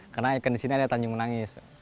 karena ikon disini adalah tanjung menangis